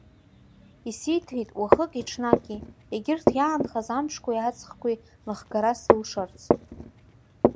Исиҭеит уахыки-ҽнаки, егьырҭ иаанхаз амшқәеи аҵхқәеи рыхгара сылшарц.